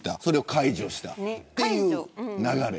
解除したという流れ。